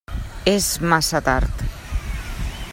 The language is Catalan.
És massa tard.